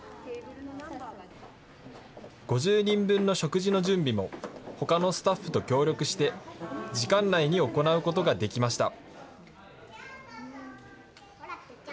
５０人分の食事の準備もほかのスタッフと協力して、時間内に行うことができました。